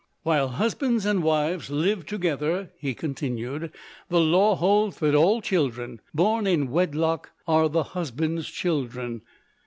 "While husbands and wives live together," he continued, "the Law holds that all children, born in wedlock, are the husband's children.